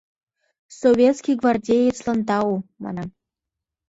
Советский гвардеецлан тау, манам».